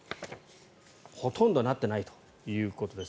ほとんどなっていないということです。